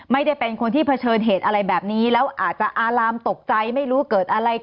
ไม่ได้เป็นคนที่เผชิญเหตุอะไรแบบนี้แล้วอาจจะอารามตกใจไม่รู้เกิดอะไรขึ้น